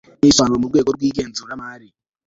n ibisobanuro mu rwego rw igenzuramari